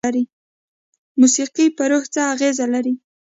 موسیقي په روح څه اغیزه لري؟